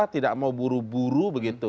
tidak mau buru buru begitu